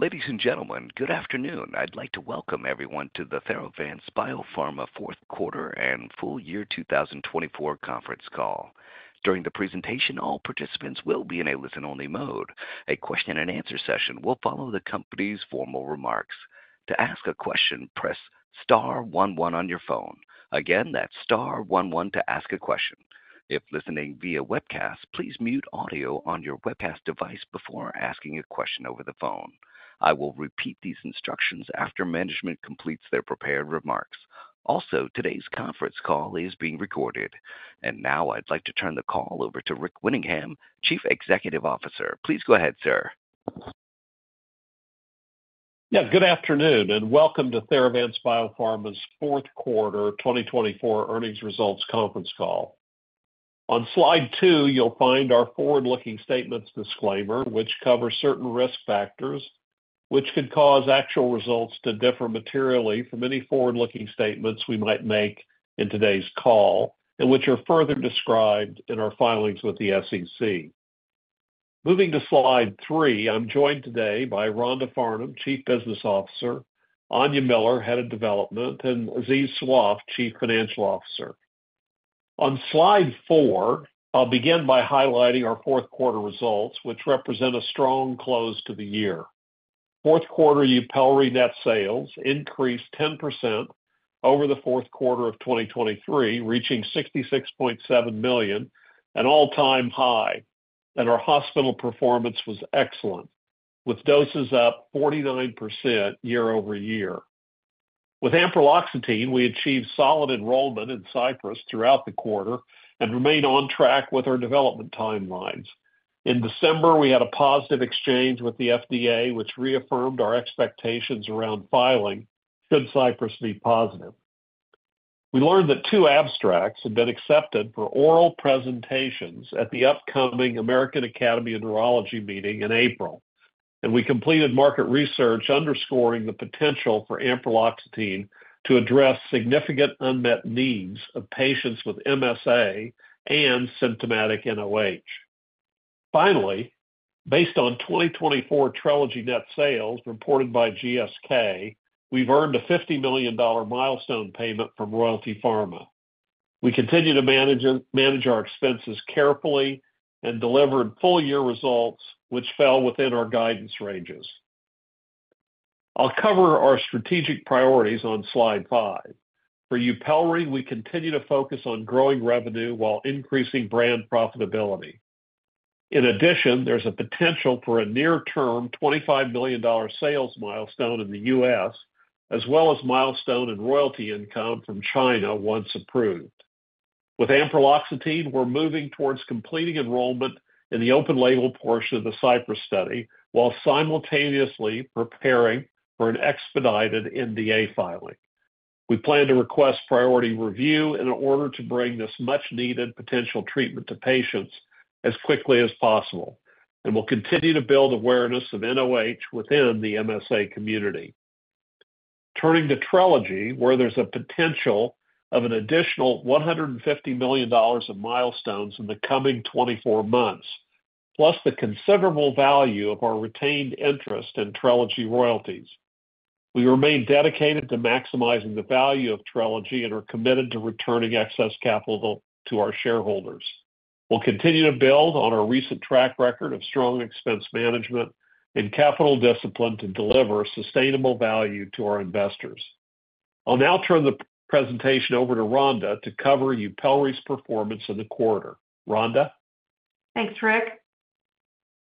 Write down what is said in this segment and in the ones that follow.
Ladies and gentlemen, good afternoon. I'd like to welcome everyone to the Theravance Biopharma Fourth Quarter and Full Year 2024 conference call. During the presentation, all participants will be in a listen-only mode. A question-and-answer session will follow the company's formal remarks. To ask a question, press Star one one on your phone. Again, that's Star one one to ask a question. If listening via webcast, please mute audio on your webcast device before asking a question over the phone. I will repeat these instructions after management completes their prepared remarks. Also, today's conference call is being recorded. And now I'd like to turn the call over to Rick Winningham, Chief Executive Officer. Please go ahead, sir. Yeah, good afternoon and welcome to Theravance Biopharma's Fourth Quarter 2024 earnings results conference call. On slide two, you'll find our forward-looking statements disclaimer, which covers certain risk factors which could cause actual results to differ materially from any forward-looking statements we might make in today's call, and which are further described in our filings with the SEC. Moving to slide three, I'm joined today by Rhonda Farnum, Chief Business Officer; Aine Miller, Head of Development; and Aziz Sawaf, Chief Financial Officer. On slide four, I'll begin by highlighting our fourth quarter results, which represent a strong close to the year. Fourth quarter Yupelri Net Sales increased 10% over the fourth quarter of 2023, reaching $66.7 million, an all-time high, and our hospital performance was excellent, with doses up 49% year over year. With ampreloxetine, we achieved solid enrollment in CYPRESS throughout the quarter and remained on track with our development timelines. In December, we had a positive exchange with the FDA, which reaffirmed our expectations around filing should CYPRESS be positive. We learned that two abstracts had been accepted for oral presentations at the upcoming American Academy of Neurology meeting in April, and we completed market research underscoring the potential for ampreloxetine to address significant unmet needs of patients with MSA and symptomatic NOH. Finally, based on 2024 Trelegy Net Sales reported by GSK, we've earned a $50 million milestone payment from Royalty Pharma. We continue to manage our expenses carefully and delivered full year results, which fell within our guidance ranges. I'll cover our strategic priorities on slide five. For Yupelri, we continue to focus on growing revenue while increasing brand profitability. In addition, there's a potential for a near-term $25 million sales milestone in the U.S., as well as milestone in royalty income from China once approved. With ampraloxetine, we're moving towards completing enrollment in the open label portion of the CYPRESS study while simultaneously preparing for an expedited NDA filing. We plan to request priority review in order to bring this much-needed potential treatment to patients as quickly as possible, and we'll continue to build awareness of NOH within the MSA community. Turning to Trelegy Ellipta, where there's a potential of an additional $150 million of milestones in the coming 24 months, plus the considerable value of our retained interest in Trelegy Ellipta royalties. We remain dedicated to maximizing the value of Trelegy Ellipta and are committed to returning excess capital to our shareholders. We'll continue to build on our recent track record of strong expense management and capital discipline to deliver sustainable value to our investors. I'll now turn the presentation over to Rhonda to cover Yupelri performance in the quarter. Rhonda. Thanks, Rick.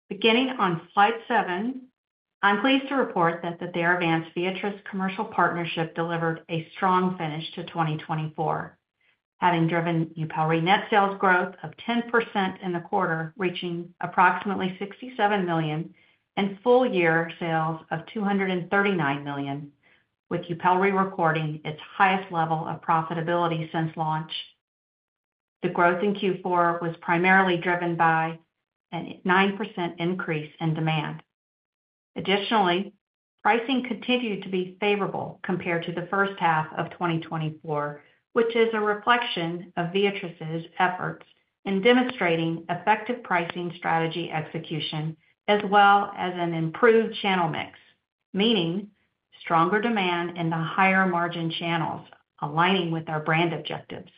Beginning on slide seven, I'm pleased to report that the Theravance Viatris commercial partnership delivered a strong finish to 2024, having driven Yupelri Net Sales growth of 10% in the quarter, reaching approximately $67 million in full year sales of $239 million, with Yupelri recording its highest level of profitability since launch. The growth in Q4 was primarily driven by a 9% increase in demand. Additionally, pricing continued to be favorable compared to the first half of 2024, which is a reflection of Viatris' efforts in demonstrating effective pricing strategy execution, as well as an improved channel mix, meaning stronger demand in the higher margin channels, aligning with our brand objectives.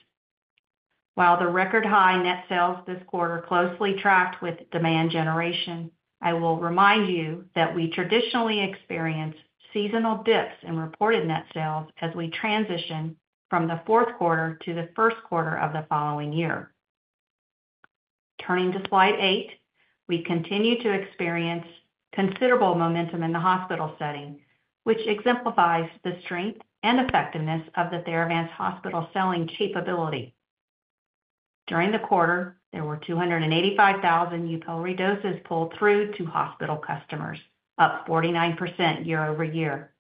While the record high net sales this quarter closely tracked with demand generation, I will remind you that we traditionally experience seasonal dips in reported net sales as we transition from the fourth quarter to the first quarter of the following year. Turning to slide eight, we continue to experience considerable momentum in the hospital setting, which exemplifies the strength and effectiveness of the Theravance hospital selling capability. During the quarter, there were 285,000 Yupelri doses pulled through to hospital customers, up 49% year over year.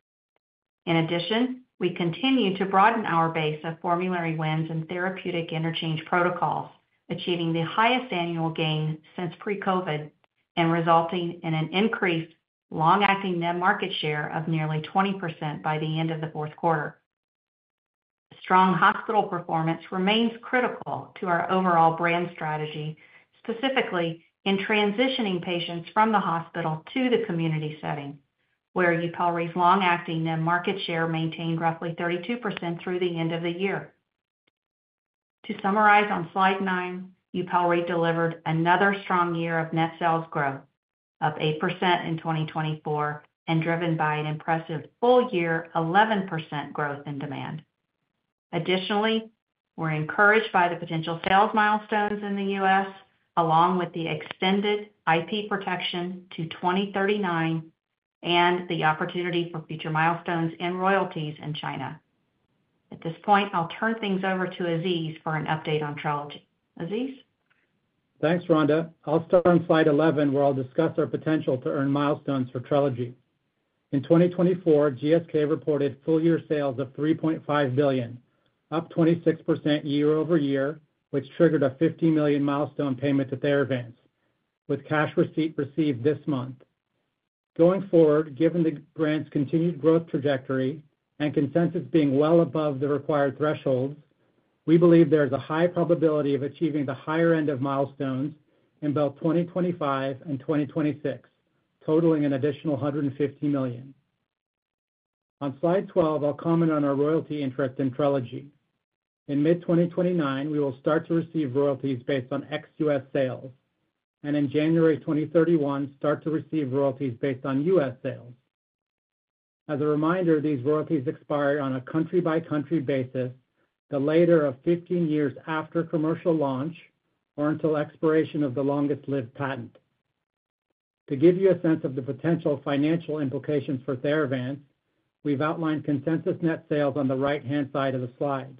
In addition, we continue to broaden our base of formulary wins and therapeutic interchange protocols, achieving the highest annual gain since pre-COVID and resulting in an increased long-acting net market share of nearly 20% by the end of the fourth quarter. Strong hospital performance remains critical to our overall brand strategy, specifically in transitioning patients from the hospital to the community setting, where Yupelri long-acting net market share maintained roughly 32% through the end of the year. To summarize on slide nine, Yupelri delivered another strong year of net sales growth, up 8% in 2024 and driven by an impressive full year 11% growth in demand. Additionally, we're encouraged by the potential sales milestones in the U.S., along with the extended IP protection to 2039 and the opportunity for future milestones and royalties in China. At this point, I'll turn things over to Aziz for an update on Trelegy. Aziz. Thanks, Rhonda. I'll start on slide 11, where I'll discuss our potential to earn milestones for Trelegy. In 2024, GSK reported full year sales of $3.5 billion, up 26% year over year, which triggered a $50 million milestone payment to Theravance, with cash receipt received this month. Going forward, given the GSK's continued growth trajectory and consensus being well above the required thresholds, we believe there is a high probability of achieving the higher end of milestones in both 2025 and 2026, totaling an additional $150 million. On slide 12, I'll comment on our royalty interest in Trelegy. In mid-2029, we will start to receive royalties based on ex-U.S. sales, and in January 2031, start to receive royalties based on U.S. sales. As a reminder, these royalties expire on a country-by-country basis, the latter of 15 years after commercial launch or until expiration of the longest-lived patent. To give you a sense of the potential financial implications for Theravance, we've outlined consensus net sales on the right-hand side of the slide.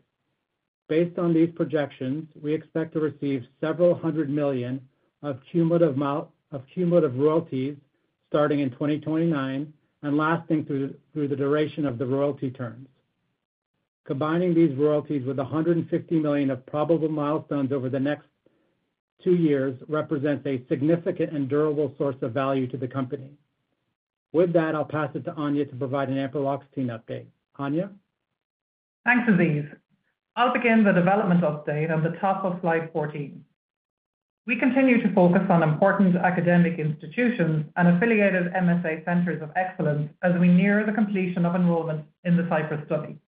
Based on these projections, we expect to receive several hundred million of cumulative royalties starting in 2029 and lasting through the duration of the royalty terms. Combining these royalties with $150 million of probable milestones over the next two years represents a significant and durable source of value to the company. With that, I'll pass it to Aine to provide an ampreloxetine update. Aine. Thanks, Aziz. I'll begin the development update at the top of slide 14. We continue to focus on important academic institutions and affiliated MSA centers of excellence as we near the completion of enrollment in the CYPRESS study.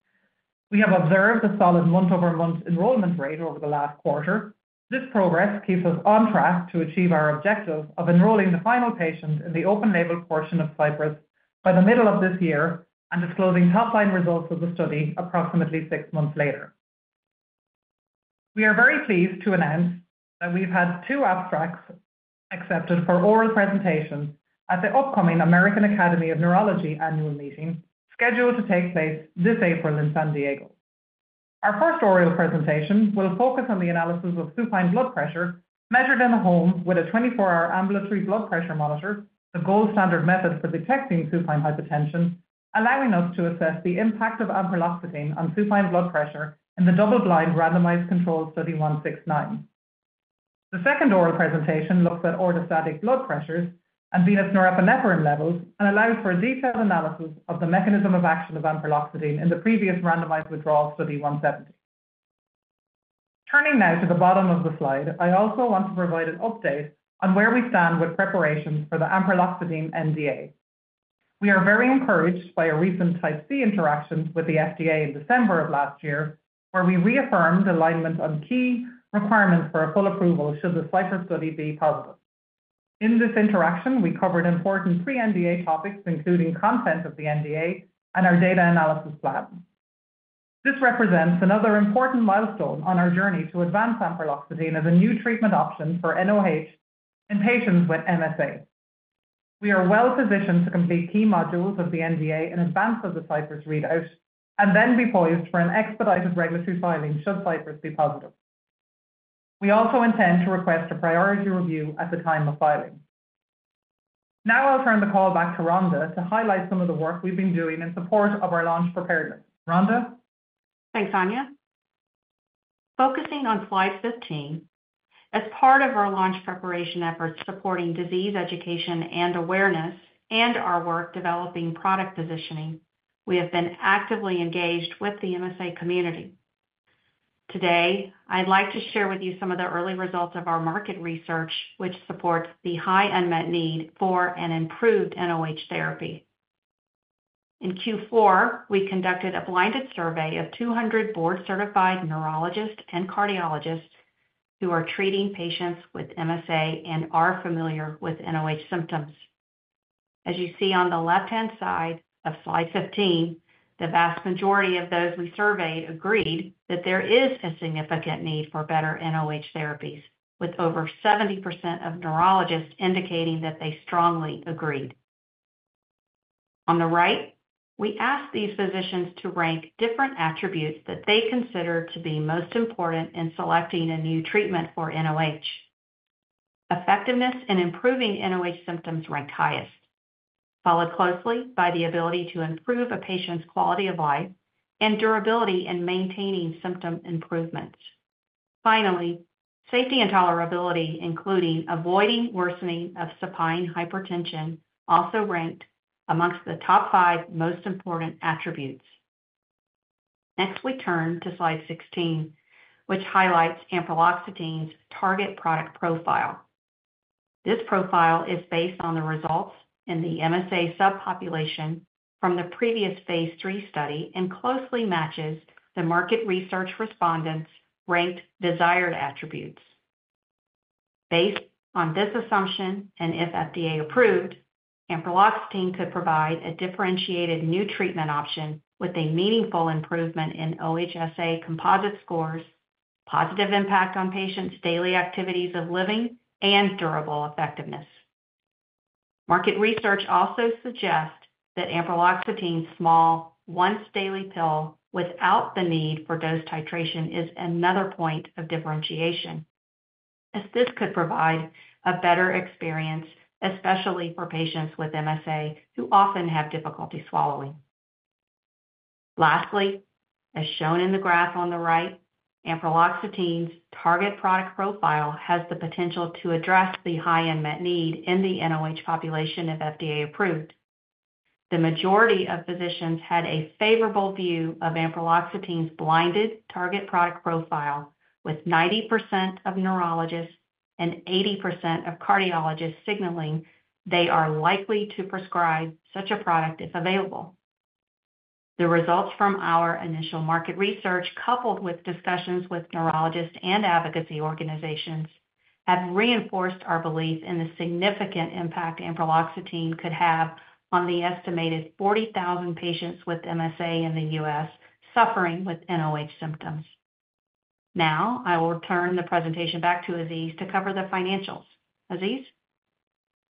We have observed a solid month-over-month enrollment rate over the last quarter. This progress keeps us on track to achieve our objective of enrolling the final patient in the open label portion of CYPRESS by the middle of this year and disclosing top-line results of the study approximately six months later. We are very pleased to announce that we've had two abstracts accepted for oral presentations at the upcoming American Academy of Neurology annual meeting scheduled to take place this April in San Diego. Our first oral presentation will focus on the analysis of supine blood pressure measured in the home with a 24-hour ambulatory blood pressure monitor, the gold standard method for detecting supine hypertension, allowing us to assess the impact of ampreloxetine on supine blood pressure in the double-blind randomized control study 169. The second oral presentation looks at orthostatic blood pressures and venous norepinephrine levels and allows for a detailed analysis of the mechanism of action of ampreloxetine in the previous randomized withdrawal study 170. Turning now to the bottom of the slide, I also want to provide an update on where we stand with preparations for the ampreloxetine NDA. We are very encouraged by a recent Type C interaction with the FDA in December of last year, where we reaffirmed alignment on key requirements for a full approval should the CYPRESS study be positive. In this interaction, we covered important pre-NDA topics, including content of the NDA and our data analysis plan. This represents another important milestone on our journey to advance ampreloxetine as a new treatment option for NOH in patients with MSA. We are well positioned to complete key modules of the NDA in advance of the CYPRESS readout and then be poised for an expedited regulatory filing should CYPRESS be positive. We also intend to request a priority review at the time of filing. Now I'll turn the call back to Rhonda to highlight some of the work we've been doing in support of our launch preparedness. Rhonda. Thanks, Aine. Focusing on slide 15, as part of our launch preparation efforts supporting disease education and awareness and our work developing product positioning, we have been actively engaged with the MSA community. Today, I'd like to share with you some of the early results of our market research, which supports the high unmet need for an improved NOH therapy. In Q4, we conducted a blinded survey of 200 board-certified neurologists and cardiologists who are treating patients with MSA and are familiar with NOH symptoms. As you see on the left-hand side of slide 15, the vast majority of those we surveyed agreed that there is a significant need for better NOH therapies, with over 70% of neurologists indicating that they strongly agreed. On the right, we asked these physicians to rank different attributes that they consider to be most important in selecting a new treatment for NOH. Effectiveness in improving NOH symptoms ranked highest, followed closely by the ability to improve a patient's quality of life and durability in maintaining symptom improvements. Finally, safety and tolerability, including avoiding worsening of supine hypertension, also ranked amongst the top five most important attributes. Next, we turn to slide 16, which highlights ampreloxetine's target product profile. This profile is based on the results in the MSA subpopulation from the previous phase III study and closely matches the market research respondents' ranked desired attributes. Based on this assumption and if FDA approved, ampreloxetine could provide a differentiated new treatment option with a meaningful improvement in OHSA composite scores, positive impact on patients' daily activities of living, and durable effectiveness. Market research also suggests that ampreloxetine's small once-daily pill without the need for dose titration is another point of differentiation, as this could provide a better experience, especially for patients with MSA who often have difficulty swallowing. Lastly, as shown in the graph on the right, ampreloxetine's target product profile has the potential to address the high unmet need in the NOH population if FDA-approved. The majority of physicians had a favorable view of ampreloxetine's blinded target product profile, with 90% of neurologists and 80% of cardiologists signaling they are likely to prescribe such a product if available. The results from our initial market research, coupled with discussions with neurologists and advocacy organizations, have reinforced our belief in the significant impact ampreloxetine could have on the estimated 40,000 patients with MSA in the U.S. suffering with NOH symptoms. Now I will turn the presentation back to Aziz to cover the financials. Aziz.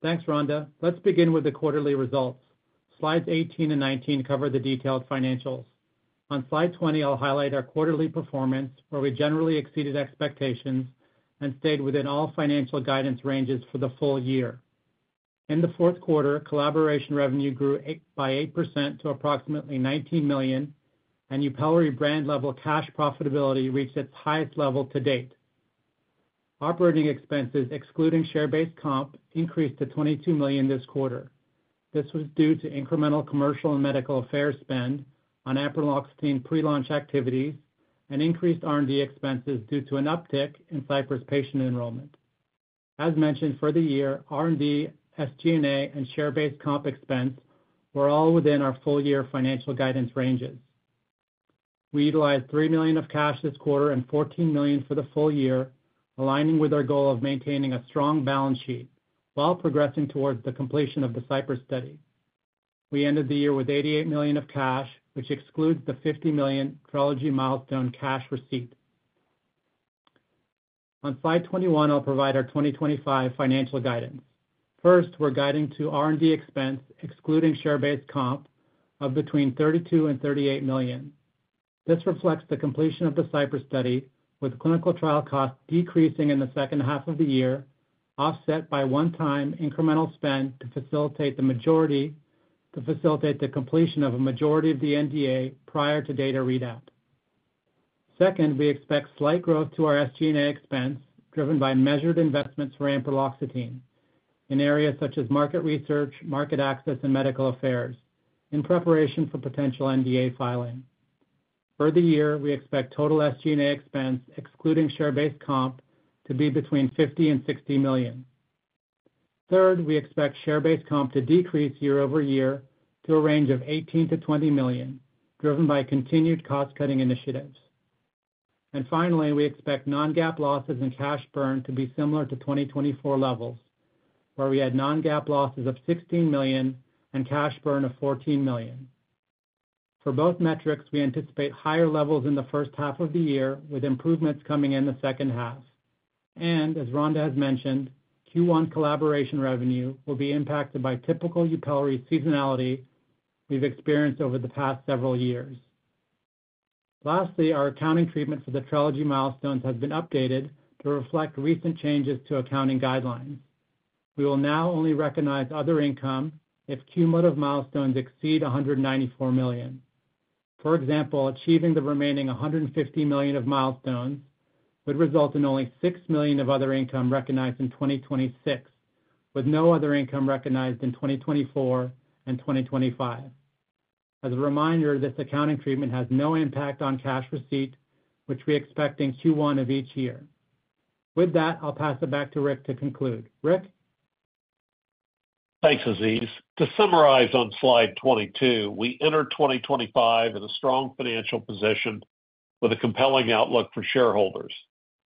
Thanks, Rhonda. Let's begin with the quarterly results. Slides 18 and 19 cover the detailed financials. On slide 20, I'll highlight our quarterly performance, where we generally exceeded expectations and stayed within all financial guidance ranges for the full year. In the fourth quarter, collaboration revenue grew by 8% to approximately $19 million, and Yupelri brand-level cash profitability reached its highest level to date. Operating expenses, excluding share-based comp, increased to $22 million this quarter. This was due to incremental commercial and medical affairs spend on ampreloxetine pre-launch activities and increased R&D expenses due to an uptick in CYPRESS patient enrollment. As mentioned for the year, R&D, SG&A, and share-based comp expense were all within our full-year financial guidance ranges. We utilized $3 million of cash this quarter and $14 million for the full year, aligning with our goal of maintaining a strong balance sheet while progressing towards the completion of the CYPRESS study. We ended the year with $88 million of cash, which excludes the $50 million Trelegy milestone cash receipt. On slide 21, I'll provide our 2025 financial guidance. First, we're guiding to R&D expense, excluding share-based comp, of between $32 and $38 million. This reflects the completion of the CYPRESS study, with clinical trial costs decreasing in the second half of the year, offset by one-time incremental spend to facilitate the majority to completion of a majority of the NDA prior to data readout. Second, we expect slight growth to our SG&A expense, driven by measured investments for ampreloxetine in areas such as market research, market access, and medical affairs in preparation for potential NDA filing. For the year, we expect total SG&A expense, excluding share-based comp, to be between $50-$60 million. Third, we expect share-based comp to decrease year over year to a range of $18-$20 million, driven by continued cost-cutting initiatives. And finally, we expect Non-GAAP losses and cash burn to be similar to 2024 levels, where we had Non-GAAP losses of $16 million and cash burn of $14 million. For both metrics, we anticipate higher levels in the first half of the year, with improvements coming in the second half. And as Rhonda has mentioned, Q1 collaboration revenue will be impacted by typical Yupelri seasonality we've experienced over the past several years. Lastly, our accounting treatment for the Trelegy milestones has been updated to reflect recent changes to accounting guidelines. We will now only recognize other income if cumulative milestones exceed $194 million. For example, achieving the remaining $150 million of milestones would result in only $6 million of other income recognized in 2026, with no other income recognized in 2024 and 2025. As a reminder, this accounting treatment has no impact on cash receipt, which we expect in Q1 of each year. With that, I'll pass it back to Rick to conclude. Rick. Thanks, Aziz. To summarize on slide 22, we enter 2025 in a strong financial position with a compelling outlook for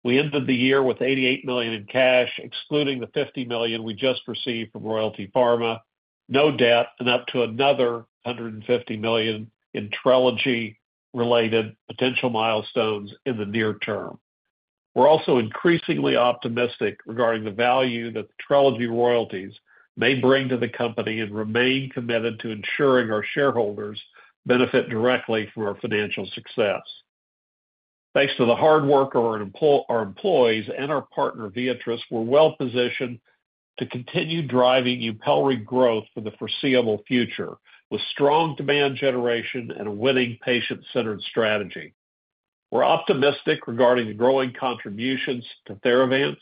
shareholders. We ended the year with $88 million in cash, excluding the $50 million we just received from Royalty Pharma, no debt, and up to another $150 million in Trelegy Ellipta-related potential milestones in the near term. We're also increasingly optimistic regarding the value that the Trelegy Ellipta royalties may bring to the company and remain committed to ensuring our shareholders benefit directly from our financial success. Thanks to the hard work of our employees and our partner, Viatris, we're well positioned to continue driving Yupelri growth for the foreseeable future with strong demand generation and a winning patient-centered strategy. We're optimistic regarding the growing contributions to Theravance,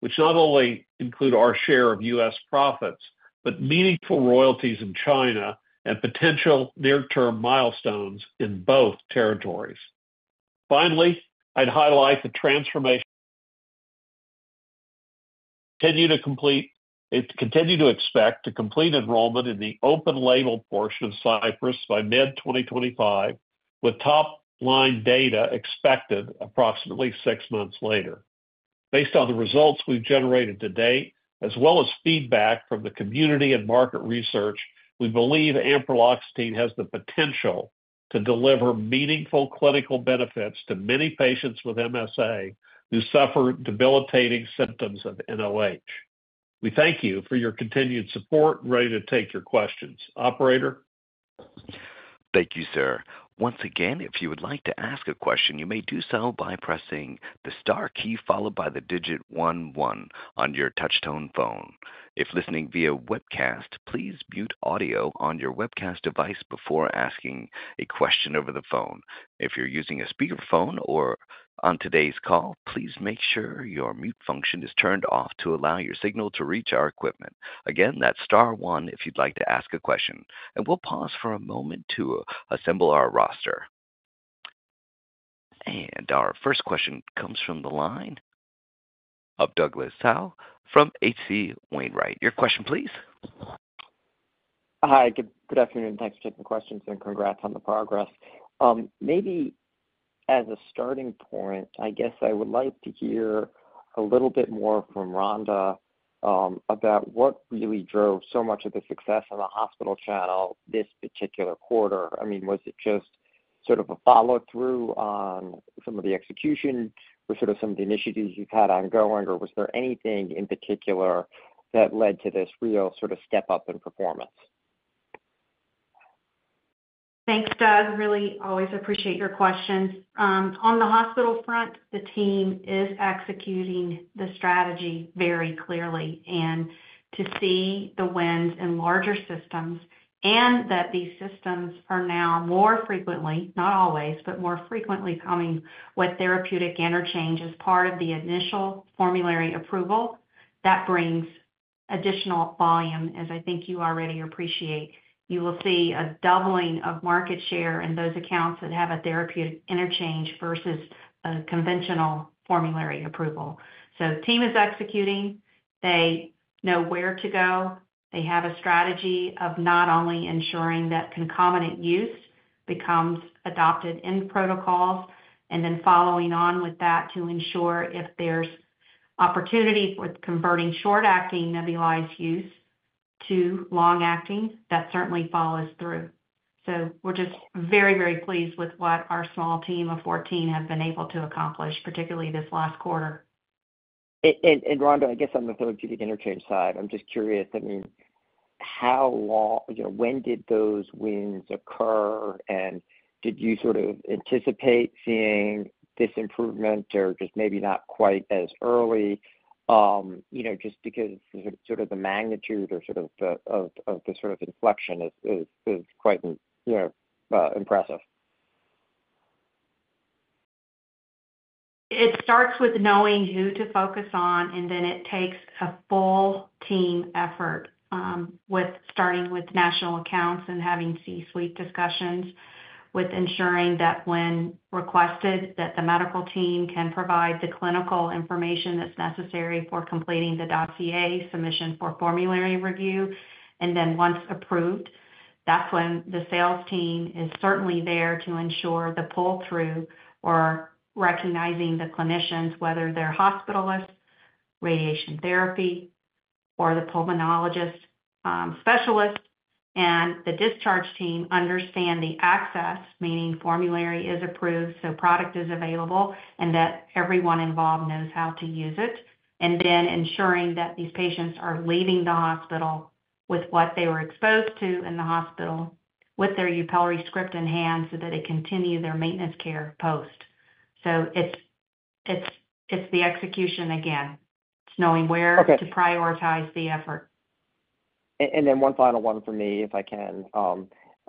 which not only include our share of U.S. profits but meaningful royalties in China and potential near-term milestones in both territories. Finally, I'd highlight the transformation. Continue to expect to complete enrollment in the open label portion of CYPRESS by mid-2025, with top-line data expected approximately six months later. Based on the results we've generated to date, as well as feedback from the community and market research, we believe ampreloxetine has the potential to deliver meaningful clinical benefits to many patients with MSA who suffer debilitating symptoms of NOH. We thank you for your continued support and are ready to take your questions. Operator. Thank you, sir. Once again, if you would like to ask a question, you may do so by pressing the star key followed by the digit 11 on your touchtone phone. If listening via webcast, please mute audio on your webcast device before asking a question over the phone. If you're using a speakerphone or on today's call, please make sure your mute function is turned off to allow your signal to reach our equipment. Again, that's star one if you'd like to ask a question. And we'll pause for a moment to assemble our roster. And our first question comes from the line of Douglas Tsao from H.C. Wainwright. Your question, please. Hi. Good afternoon. Thanks for taking the questions, and congrats on the progress. Maybe as a starting point, I guess I would like to hear a little bit more from Rhonda about what really drove so much of the success on the hospital channel this particular quarter. I mean, was it just sort of a follow-through on some of the execution or sort of some of the initiatives you've had ongoing, or was there anything in particular that led to this real sort of step-up in performance? Thanks, Doug. Really always appreciate your questions. On the hospital front, the team is executing the strategy very clearly and to see the wins in larger systems and that these systems are now more frequently, not always, but more frequently coming with therapeutic interchange as part of the initial formulary approval, that brings additional volume, as I think you already appreciate. You will see a doubling of market share in those accounts that have a therapeutic interchange versus a conventional formulary approval. So the team is executing. They know where to go. They have a strategy of not only ensuring that concomitant use becomes adopted in protocols and then following on with that to ensure if there's opportunity for converting short-acting nebulized use to long-acting, that certainly follows through. So we're just very, very pleased with what our small team of 14 have been able to accomplish, particularly this last quarter. Rhonda, I guess on the therapeutic interchange side, I'm just curious. I mean, how long, when did those wins occur, and did you sort of anticipate seeing this improvement or just maybe not quite as early just because sort of the magnitude or sort of the sort of inflection is quite impressive? It starts with knowing who to focus on, and then it takes a full team effort with starting with national accounts and having C-suite discussions with ensuring that when requested, that the medical team can provide the clinical information that's necessary for completing the dossier submission for formulary review. And then once approved, that's when the sales team is certainly there to ensure the pull-through or recognizing the clinicians, whether they're hospitalists, respiratory therapists, or the pulmonologist specialist. And the discharge team understands the access, meaning formulary is approved, so product is available, and that everyone involved knows how to use it. And then ensuring that these patients are leaving the hospital with what they were exposed to in the hospital with their Yupelri script in hand so that they continue their maintenance care post. So it's the execution again. It's knowing where to prioritize the effort. And then one final one for me, if I can.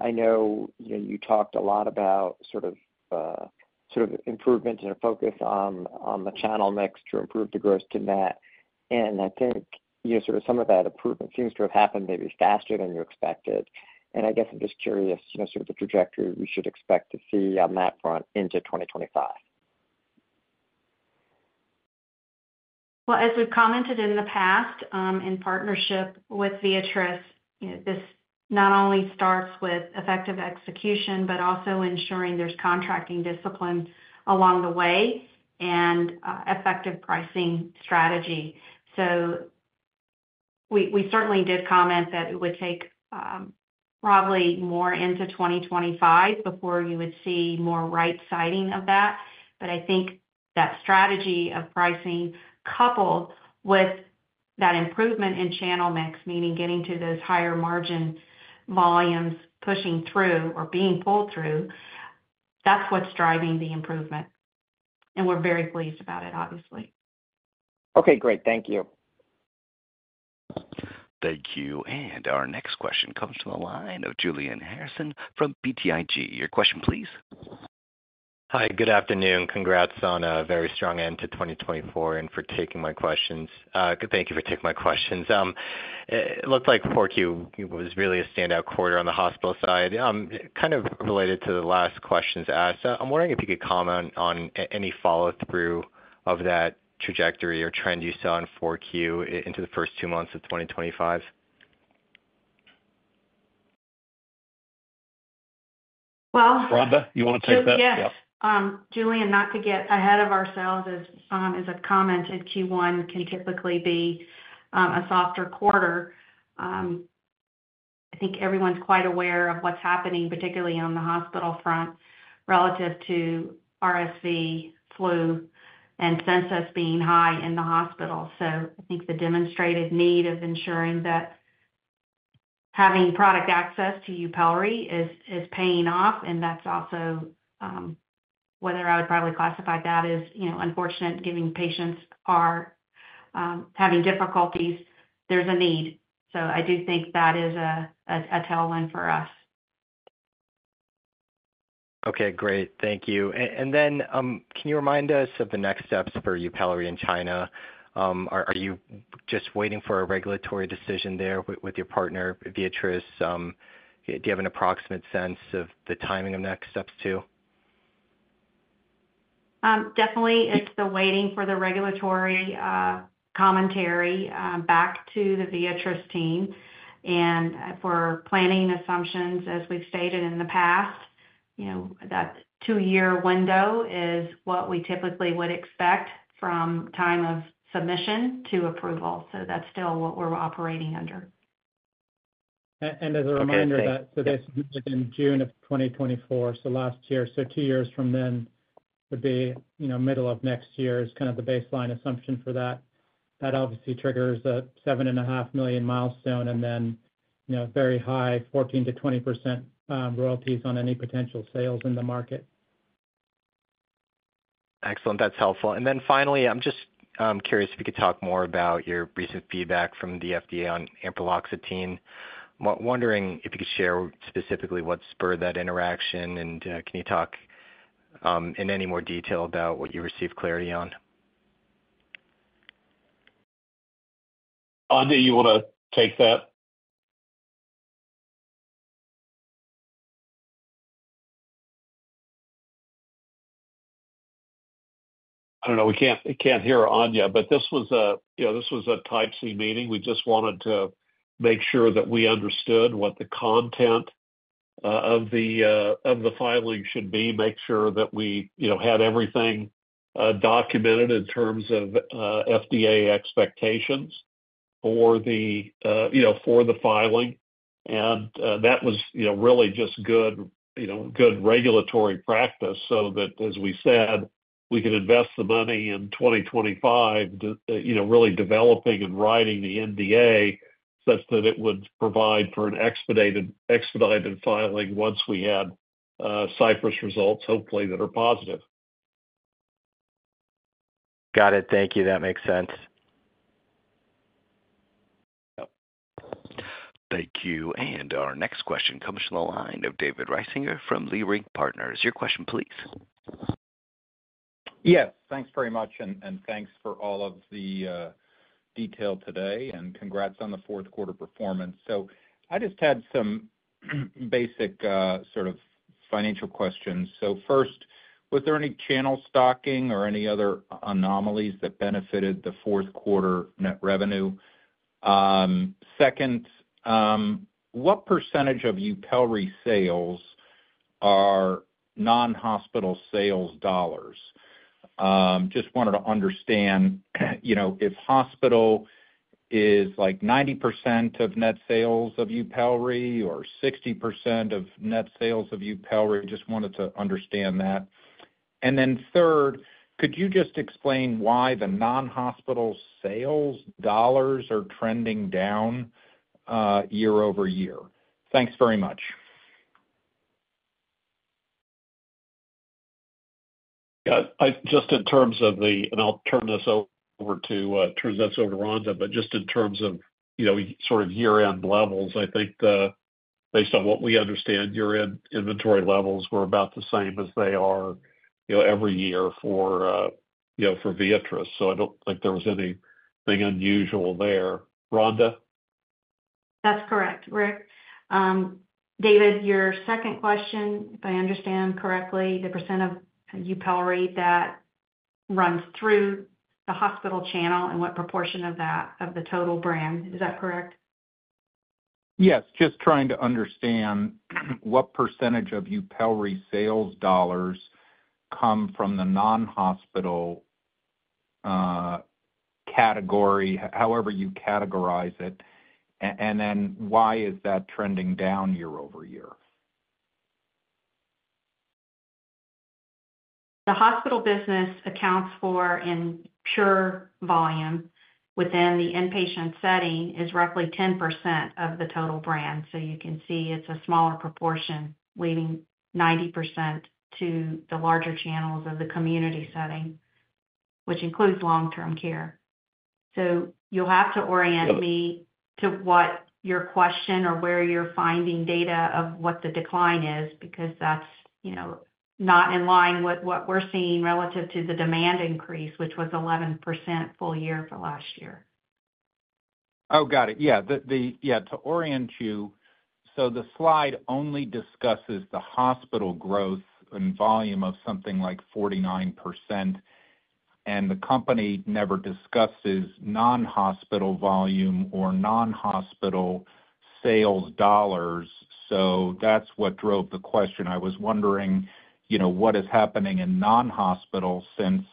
I know you talked a lot about sort of improvements and focus on the channel mix to improve the growth to that. And I think sort of some of that improvement seems to have happened maybe faster than you expected. And I guess I'm just curious sort of the trajectory we should expect to see on that front into 2025. As we've commented in the past, in partnership with Viatris, this not only starts with effective execution but also ensuring there's contracting discipline along the way and effective pricing strategy, so we certainly did comment that it would take probably more into 2025 before you would see more right-sizing of that, but I think that strategy of pricing coupled with that improvement in channel mix, meaning getting to those higher margin volumes pushing through or being pulled through, that's what's driving the improvement, and we're very pleased about it, obviously. Okay. Great. Thank you. Thank you. And our next question comes from the line of Julian Harrison from BTIG. Your question, please. Hi. Good afternoon. Congrats on a very strong end to 2024 and for taking my questions. Thank you for taking my questions. It looked like 4Q was really a standout quarter on the hospital side, kind of related to the last questions asked. I'm wondering if you could comment on any follow-through of that trajectory or trend you saw in 4Q into the first two months of 2025. Well. Rhonda, you want to take that? Yes. Julian, not to get ahead of ourselves, as I've commented, Q1 can typically be a softer quarter. I think everyone's quite aware of what's happening, particularly on the hospital front, relative to RSV, flu, and census being high in the hospital. So I think the demonstrated need of ensuring that having product access to Yupelri is paying off. And that's also whether I would probably classify that as unfortunate, given patients are having difficulties. There's a need. So I do think that is a telling for us. Okay. Great. Thank you. And then can you remind us of the next steps for Yupelri in China? Are you just waiting for a regulatory decision there with your partner, Viatris? Do you have an approximate sense of the timing of next steps too? Definitely. It's the waiting for the regulatory commentary back to the Viatris team, and for planning assumptions, as we've stated in the past, that two-year window is what we typically would expect from time of submission to approval, so that's still what we're operating under. As a reminder. Thank you. That, so they submitted in June of 2024, so last year. So two years from then would be middle of next year is kind of the baseline assumption for that. That obviously triggers a $7.5 million milestone and then very high 14%-20% royalties on any potential sales in the market. Excellent. That's helpful. And then finally, I'm just curious if you could talk more about your recent feedback from the FDA on Ampraloxetine? Wondering if you could share specifically what spurred that interaction, and can you talk in any more detail about what you received clarity on? Aine, you want to take that? I don't know. We can't hear Aine, but this was a Type C meeting. We just wanted to make sure that we understood what the content of the filing should be, make sure that we had everything documented in terms of FDA expectations for the filing, and that was really just good regulatory practice so that, as we said, we could invest the money in 2025, really developing and writing the NDA such that it would provide for an expedited filing once we had CYPRESS results, hopefully, that are positive. Got it. Thank you. That makes sense. Yep. Thank you. And our next question comes from the line of David Risinger from Leerink Partners. Your question, please. Yes. Thanks very much. And thanks for all of the detail today. And congrats on the fourth quarter performance. So I just had some basic sort of financial questions. So first, was there any channel stocking or any other anomalies that benefited the fourth quarter net revenue? Second, what percentage of Yupelri sales are non-hospital sales dollars? Just wanted to understand if hospital is like 90% of net sales of Yupelri or 60% of net sales of Yupelri. Just wanted to understand that. And then third, could you just explain why the non-hospital sales dollars are trending down year over year? Thanks very much. Just in terms of the—and I'll turn this over to Rhonda, but just in terms of sort of year-end levels, I think based on what we understand, year-end inventory levels were about the same as they are every year for Viatris. So I don't think there was anything unusual there. Rhonda? That's correct. Rick, David, your second question, if I understand correctly, the % of Yupelri that runs through the hospital channel and what proportion of that of the total brand. Is that correct? Yes. Just trying to understand what percentage of Yupelri sales dollars come from the non-hospital category, however you categorize it, and then why is that trending down year over year? The hospital business accounts for in pure volume within the inpatient setting is roughly 10% of the total brand. So you can see it's a smaller proportion leaving 90% to the larger channels of the community setting, which includes long-term care. So you'll have to orient me to what your question or where you're finding data of what the decline is because that's not in line with what we're seeing relative to the demand increase, which was 11% full year for last year. Oh, got it. Yeah. Yeah. To orient you, so the slide only discusses the hospital growth and volume of something like 49%, and the company never discusses non-hospital volume or non-hospital sales dollars. So that's what drove the question. I was wondering what is happening in non-hospital since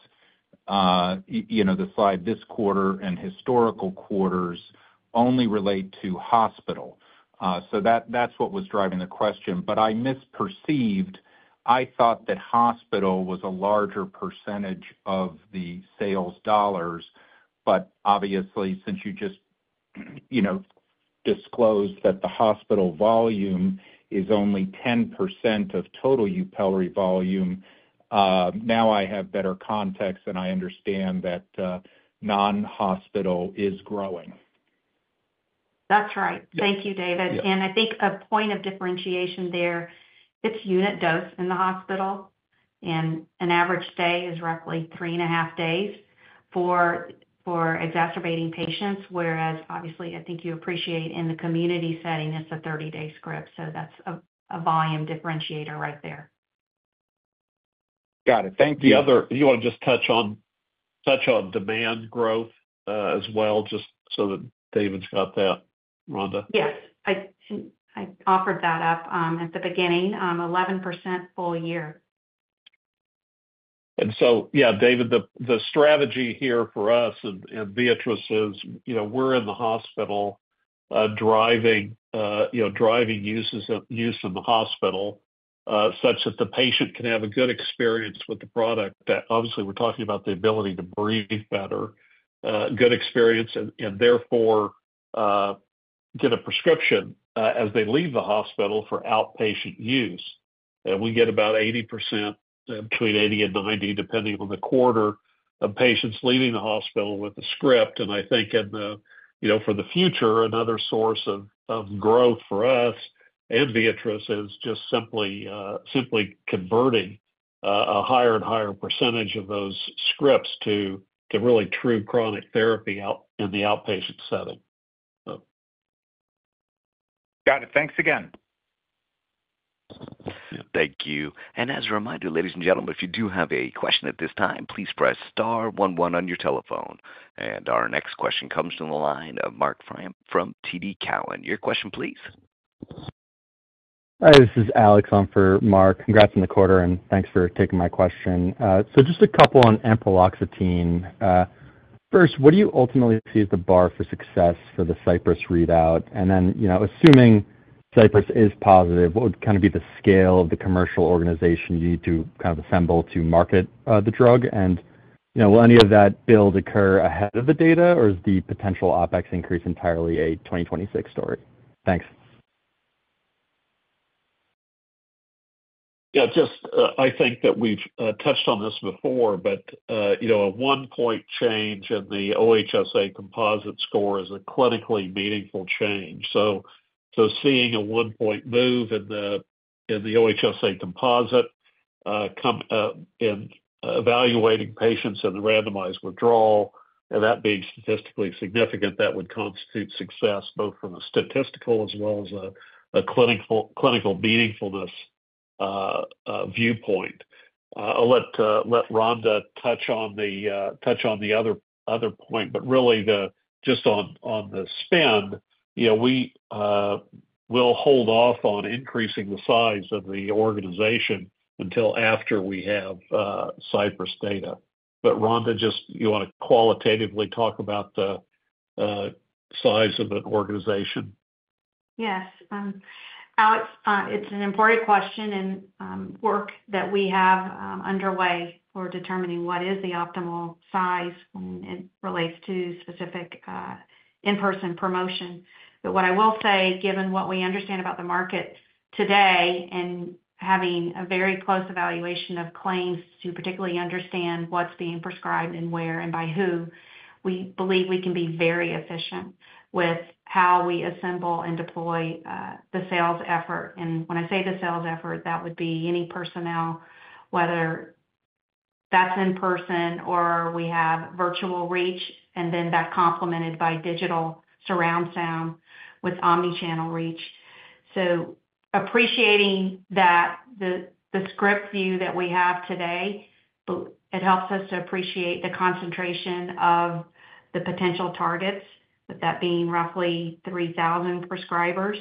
the slide this quarter and historical quarters only relate to hospital. So that's what was driving the question. But I misperceived. I thought that hospital was a larger percentage of the sales dollars. But obviously, since you just disclosed that the hospital volume is only 10% of total Yupelri volume, now I have better context and I understand that non-hospital is growing. That's right. Thank you, David. And I think a point of differentiation there, it's unit dose in the hospital. And an average day is roughly three and a half days for exacerbating patients, whereas obviously, I think you appreciate in the community setting, it's a 30-day script. So that's a volume differentiator right there. Got it. Thank you. You want to just touch on demand growth as well just so that David's got that, Rhonda? Yes. I offered that up at the beginning, 11% full year. And so, yeah, David, the strategy here for us and Viatris is we're in the hospital driving use in the hospital such that the patient can have a good experience with the product. Obviously, we're talking about the ability to breathe better, good experience, and therefore get a prescription as they leave the hospital for outpatient use. And we get about 80%, between 80% and 90%, depending on the quarter, of patients leaving the hospital with a script. And I think for the future, another source of growth for us and Viatris is just simply converting a higher and higher percentage of those scripts to really true chronic therapy in the outpatient setting. Got it. Thanks again. Thank you. And as a reminder, ladies and gentlemen, if you do have a question at this time, please press sStar one one on your telephone. And our next question comes from the line of Marc from TD Cowen. Your question, please. Hi. This is Alex. I'm for Marc. Congrats on the quarter. And thanks for taking my question. So just a couple on ampreloxetine. First, what do you ultimately see as the bar for success for the CYPRESS readout? And then assuming CYPRESS is positive, what would kind of be the scale of the commercial organization you need to kind of assemble to market the drug? And will any of that build occur ahead of the data, or is the potential OpEx increase entirely a 2026 story? Thanks. Yeah. I think that we've touched on this before, but a one-point change in the OHSA composite score is a clinically meaningful change. So seeing a one-point move in the OHSA composite in evaluating patients and the randomized withdrawal, and that being statistically significant, that would constitute success both from a statistical as well as a clinical meaningfulness viewpoint. I'll let Rhonda touch on the other point. But really, just on the spend, we will hold off on increasing the size of the organization until after we have CYPRESS data. But Rhonda, just you want to qualitatively talk about the size of the organization? Yes. Alex, it's an important question and work that we have underway for determining what is the optimal size when it relates to specific in-person promotion. But what I will say, given what we understand about the market today and having a very close evaluation of claims to particularly understand what's being prescribed and where and by who, we believe we can be very efficient with how we assemble and deploy the sales effort. And when I say the sales effort, that would be any personnel, whether that's in person or we have virtual reach, and then that complemented by digital surround sound with omnichannel reach. So, appreciating that the script view that we have today, it helps us to appreciate the concentration of the potential targets, with that being roughly 3,000 prescribers,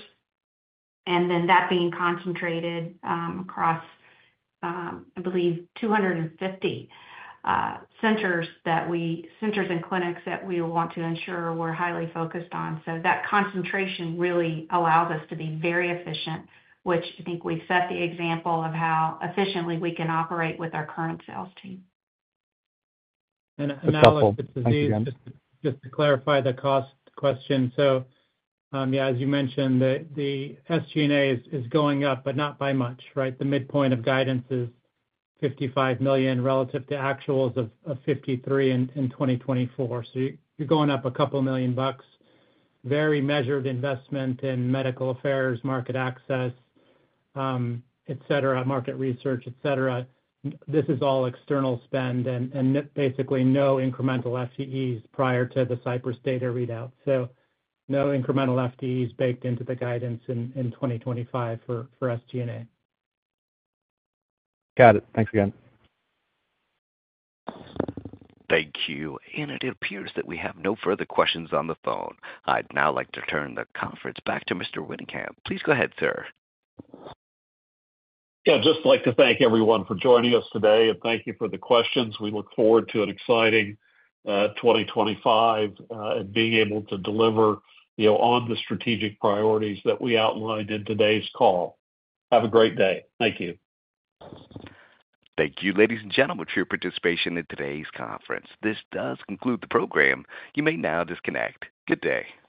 and then that being concentrated across, I believe, 250 centers and clinics that we want to ensure we're highly focused on. So that concentration really allows us to be very efficient, which I think we've set the example of how efficiently we can operate with our current sales team. Alex, just to clarify the cost question. So yeah, as you mentioned, the SG&A is going up, but not by much, right? The midpoint of guidance is $55 million relative to actuals of $53 million in 2024. So you're going up a couple of million bucks. Very measured investment in medical affairs, market access, etc., market research, etc. This is all external spend and basically no incremental FTEs prior to the CYPRESS data readout. So no incremental FTEs baked into the guidance in 2025 for SG&A. Got it. Thanks again. Thank you. And it appears that we have no further questions on the phone. I'd now like to turn the conference back to Mr. Winningham. Please go ahead, sir. Yeah. Just like to thank everyone for joining us today, and thank you for the questions. We look forward to an exciting 2025 and being able to deliver on the strategic priorities that we outlined in today's call. Have a great day. Thank you. Thank you, ladies and gentlemen, for your participation in today's conference. This does conclude the program. You may now disconnect. Good day.